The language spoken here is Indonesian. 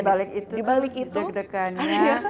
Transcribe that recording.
tapi dibalik itu deg degannya